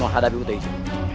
aku mau hadapi butoh itu